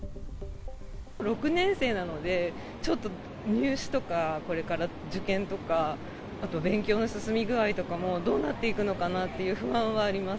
６年生なので、ちょっと入試とか、これから受験とか、あと勉強の進み具合とかも、どうなっていくのかなっていう不安はあります。